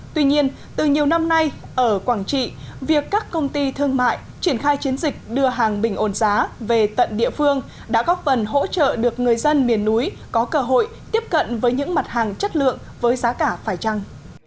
tuy nhiên từ nhiều năm nay ở quảng trị việc các công ty thương mại triển khai chiến dịch đưa hàng bình ổn giá về tận địa phương đã góp phần hỗ trợ được người dân miền núi có cơ hội tiếp cận với những mặt hàng chất lượng với giá cả phải trăng